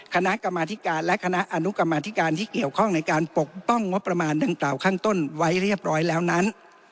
คณะกรรมาธิการและคณะอนุกรรมธิการที่เกี่ยวข้องในการปกป้องงบประมาณดังกล่าวข้างต้นไว้เรียบร้อยแล้วนั้น